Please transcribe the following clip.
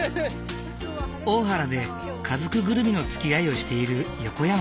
大原で家族ぐるみのつきあいをしている横山さん。